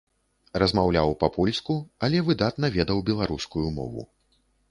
Размаўляў па-польску, але выдатна ведаў беларускую мову.